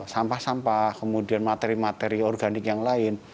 sampah sampah kemudian materi materi organik yang lain